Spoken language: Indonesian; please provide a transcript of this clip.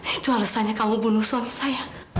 itu alasannya kamu bunuh suami saya